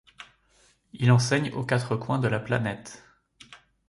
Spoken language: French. Il enseigne aux quatre coins de la planète.